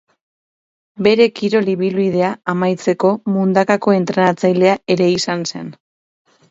Bere kirol ibilbidea amaitzeko Mundakako entrenatzailea ere izan zen.